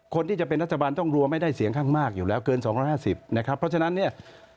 คนที่จะเป็นรัฐบาลต้องรวมให้ได้เสียงข้างมากอยู่แล้วเกิน๒๕๐นะครับเพราะฉะนั้นเนี่ย